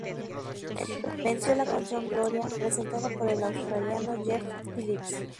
Venció la canción "Gloria", presentada por el australiano Jeff Phillips.